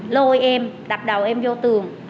lôi em đập đầu em vô tươi